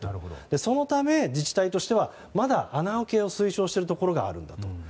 そのため、自治体としてはまだ穴開けを推奨しているところがあると。